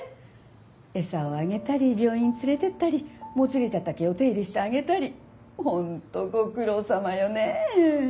餌をあげたり病院連れていったりもつれちゃった毛を手入れしてあげたり本当ご苦労さまよねえ。